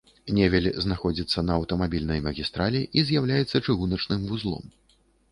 Невель знаходзіцца на аўтамабільнай магістралі і з'яўляецца чыгуначным вузлом.